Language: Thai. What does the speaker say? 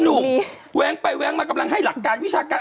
หนุ่มแว้งไปแว้งมากำลังให้หลักการวิชาการ